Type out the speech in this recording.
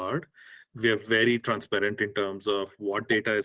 anda bisa menyalahkan jika anda ingin